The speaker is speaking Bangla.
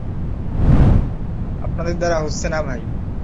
এই গ্রুপের মিডিয়া চেক কর।